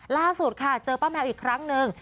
ล่าสุดค่ะเจอป้าแมวอีกครั้งหนึ่ง